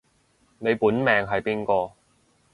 你本命係邊個